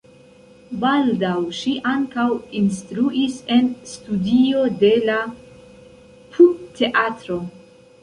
Baldaŭ ŝi ankaŭ instruis en studio de la Pupteatro.